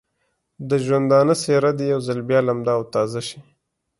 د ژوندانه څېره دې یو ځل بیا لمده او تازه شي.